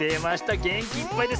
げんきいっぱいですね！